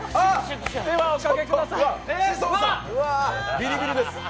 ビリビリです。